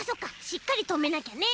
しっかりとめなきゃね！